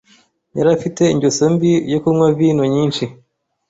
Yari afite ingeso mbi yo kunywa vino nyinshi.